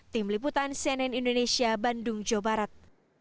tim liputan cnn indonesia bandung jawa barat